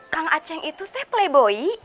kang aceng itu teh playboy